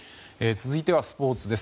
続いてはスポーツです。